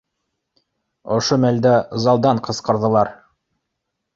Ошо мәлдә залдан ҡысҡырҙылар: